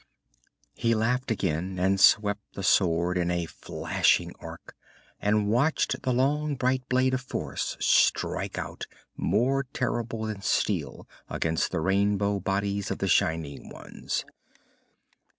He laughed again, and swept the sword in a flashing arc, and watched the long bright blade of force strike out more terrible than steel, against the rainbow bodies of the shining ones.